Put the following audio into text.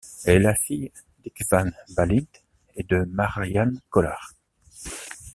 Elle est la fille d'István Bálint et de Mariann Kollár.